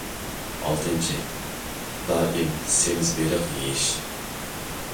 ئالتىنچى، دائىم سېمىز بېلىق يېيىش.